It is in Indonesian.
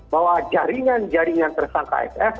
bahwa jaringan jaringan persang kfs